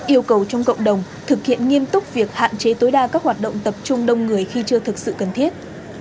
yêu cầu trong cộng đồng thực hiện nghiêm túc việc hạn chế tối đa các hoạt động tập trung đông người khi chưa thực sự cần thiết